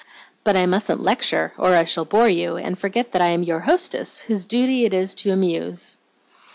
But I mustn't lecture, or I shall bore you, and forget that I am your hostess, whose duty it is to amuse."